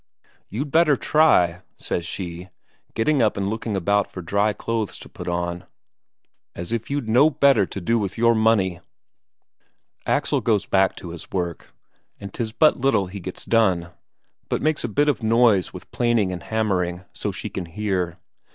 "You'd better try!" says she, getting up and looking about for dry clothes to put on. "As if you'd no better to do with your money!" Axel goes back to his work, and 'tis but little he gets done, but makes a bit of noise with planing and hammering, so she can hear.